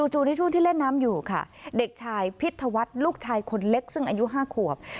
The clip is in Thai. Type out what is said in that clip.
ในช่วงที่เล่นน้ำอยู่ค่ะเด็กชายพิธวัฒน์ลูกชายคนเล็กซึ่งอายุ๕ขวบ